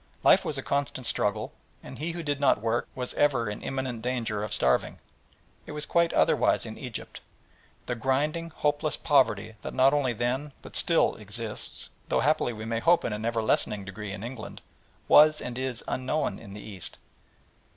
Life was a constant struggle, and he who did not work was ever in imminent danger of starving. It was quite otherwise in Egypt. The grinding, hopeless poverty that not only then but still exists, though happily we may hope in an ever lessening degree in England, was and is unknown in the East.